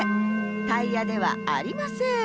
タイヤではありません。